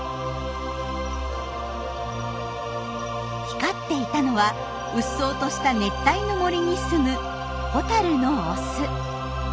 光っていたのは鬱蒼とした熱帯の森にすむホタルのオス。